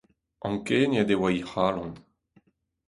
Ankeniet e oa he c’halon.